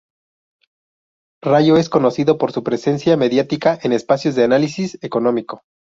Rallo es conocido por su presencia mediática en espacios de análisis económico.